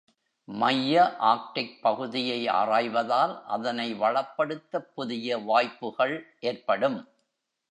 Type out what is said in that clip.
மைய ஆர்க்டிக் பகுதியை ஆராய்வதால், அதனை வளப்படுத்தப் புதிய வாய்ப்புகள் ஏற்படும்.